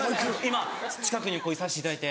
今近くにいさしていただいて。